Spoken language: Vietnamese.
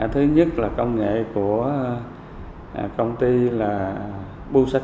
thứ nhất là công nghệ của công ty là busaco ở vũng tàu có kiện đút sẵn tại nhà máy đem ra lắp ráp